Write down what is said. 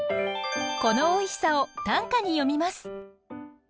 このおいしさを短歌に詠みます。